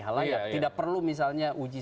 hal layak tidak perlu misalnya uji